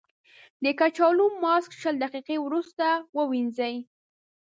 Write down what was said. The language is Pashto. د کچالو ماسک شل دقیقې وروسته ووينځئ.